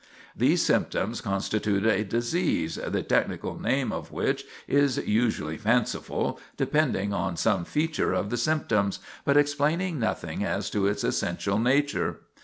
These symptoms constitute a disease, the technical name of which is usually fanciful, depending on some feature of the symptoms, but explaining nothing as to its essential nature.